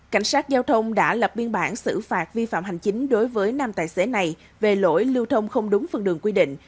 cảnh sát giao thông đã lập biên bản xử phạt vi phạm hành chính đối với năm tài xế này về lỗi lưu thông không đúng phương đường quy định